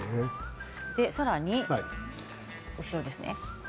さらに後ろですね。